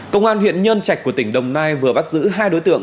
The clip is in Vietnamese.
công an huyện nhân trạch của tỉnh đồng nai vừa bắt giữ hai đối tượng